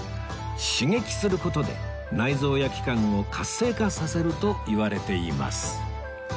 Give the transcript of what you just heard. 刺激する事で内臓や器官を活性化させるといわれています